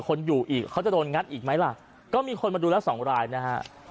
คนอยู่อีกเขาจะโดนงัดอีกไหมล่ะก็มีคนมาดูแล้วสองรายนะฮะ